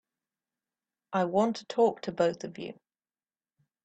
I want to talk to both of you.